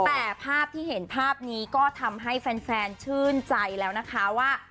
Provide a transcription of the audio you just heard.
แต่ภาพที่เห็นภาพนี้ก็ทำให้แฟนชื่นใจแล้วนะคะว่า